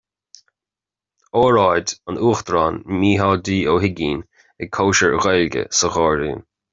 Óráid an Uachtaráin, Micheál D Ó hUigínn ag Cóisir Ghaeilge sa Ghairdín